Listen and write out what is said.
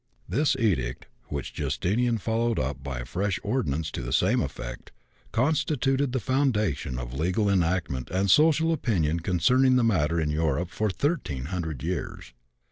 " This edict (which Justinian followed up by a fresh ordinance to the same effect) constituted the foundation of legal enactment and social opinion concerning the matter in Europe for thirteen hundred years.